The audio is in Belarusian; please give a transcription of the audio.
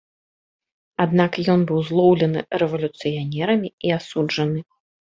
Аднак ён быў злоўлены рэвалюцыянерамі і асуджаны.